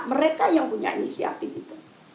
mereka yang punya inisiatif itu